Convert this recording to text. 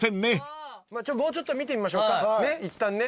もうちょっと見てみましょういったんね。